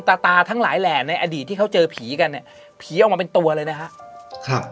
ตาตาทั้งหลายแหล่ในอดีตที่เขาเจอผีกันเนี่ยผีออกมาเป็นตัวเลยนะครับ